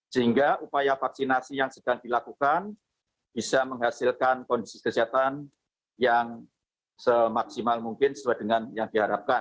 sehingga upaya vaksinasi yang sedang dilakukan bisa menghasilkan kondisi kesehatan yang semaksimal mungkin sesuai dengan yang diharapkan